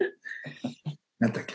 何だっけ？